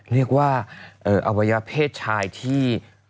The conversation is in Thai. เรียกว่าอวัยพฤดชายที่